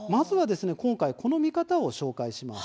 今回、この見方を紹介します。